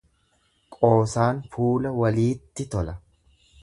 Qoosaan fuula waliitti tola.